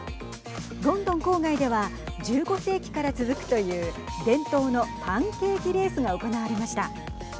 ロンドン郊外では１５世紀から続くという伝統のパンケーキレースが行われました。